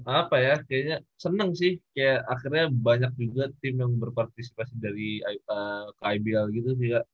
apa ya kayaknya seneng sih kayak akhirnya banyak juga tim yang berpartisipasi dari ke ibl gitu sih ya